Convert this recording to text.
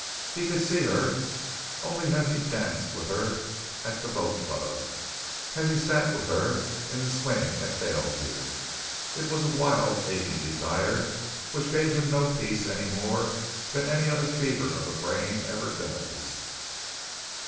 He could see her only as he danced with her at the boat club, as he sat with her in the swing at Daleview. It was a wild, aching desire which gave him no peace any more than any other fever of the brain ever does.